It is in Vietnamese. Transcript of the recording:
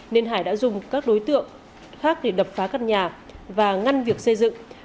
nên hải đã dùng các đối tượng khác để đập phá căn nhà và ngăn việc xây dựng